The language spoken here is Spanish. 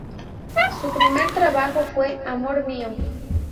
Su primer trabajo fue "Amor mío".